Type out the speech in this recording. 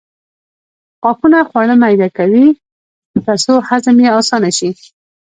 غاښونه خواړه میده کوي ترڅو هضم یې اسانه شي